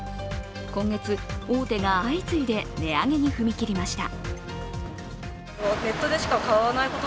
今月、大手が相次いで値上げに踏み切りました。